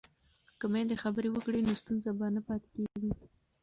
که میندې خبرې وکړي نو ستونزه به نه پاتې کېږي.